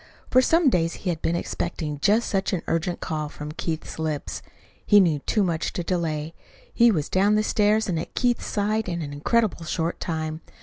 For some days he had been expecting just such an urgent call from Keith's lips. He knew too much to delay. He was down the stairs and at Keith's side in an incredibly short time.